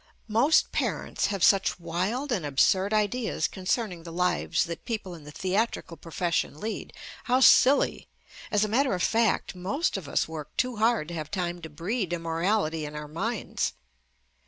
Most parents have such wild and absurd ideas concerning the lives that people in the theatrical profession lead. How silly! As a matter of fact, most of us work too hard to have time to breed immorality in our minds.